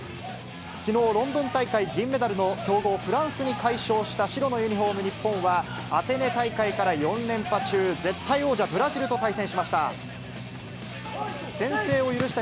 きのう、ロンドン大会銀メダルの強豪、フランスに快勝した白のユニホーム、日本は、アテネ大会から４連覇中、絶対王者、ブラジルと対戦しました。